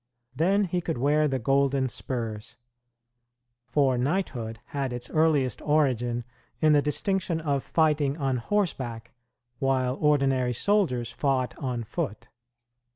Then he could wear the golden spurs; for knighthood had its earliest origin in the distinction of fighting on horseback, while ordinary soldiers fought on foot.